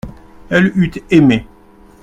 Elle eut aimé.